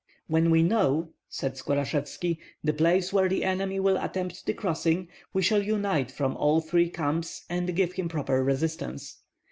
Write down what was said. "When we know," said Skorashevski, "the place where the enemy will attempt the crossing, we shall unite from all three camps and give him proper resistance.